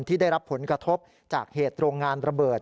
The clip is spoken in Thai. ที่ได้รับผลกระทบจากเหตุโรงงานระเบิด